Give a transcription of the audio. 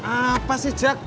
apa sih jak